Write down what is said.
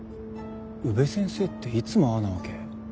宇部先生っていつもああなわけ？